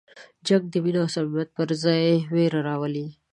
جنګ د مینې او صمیمیت پر ځای وېره راولي.